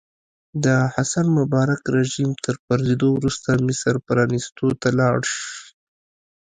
د حسن مبارک رژیم تر پرځېدو وروسته مصر پرانیستو ته لاړ شي.